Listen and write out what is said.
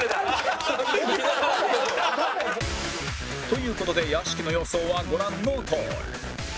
という事で屋敷の予想はご覧のとおり